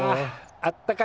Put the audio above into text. あったかい